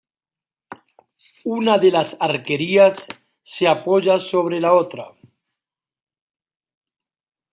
Una de las arquerías se apoya sobre la otra.